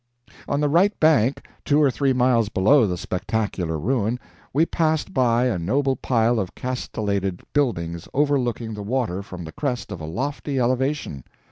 On the right bank, two or three miles below the Spectacular Ruin, we passed by a noble pile of castellated buildings overlooking the water from the crest of a lofty elevation.